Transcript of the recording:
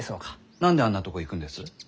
何であんなとこ行くんです？